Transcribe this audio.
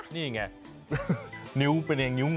นี่ไงนิ้วเป็นเองนิ้วเหงา